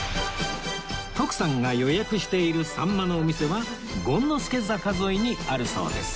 徳さんが予約しているさんまのお店は権之助坂沿いにあるそうです